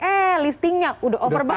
eh listingnya udah overbought